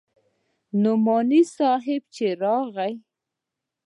نعماني صاحب چې راغى.